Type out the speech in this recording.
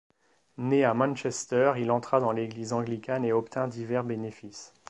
Né à Manchester, il entra dans l'Église anglicane et obtint divers bénéfices.